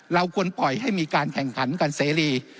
เราควรปล่อยให้มีการแข่งขันกันเสรี